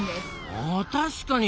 あ確かに。